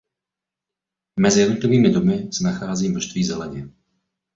Mezi jednotlivými domy se nachází množství zeleně.